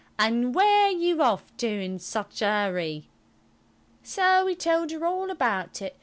An' w'ere are you off to in such a 'urry?" So we told her all about it.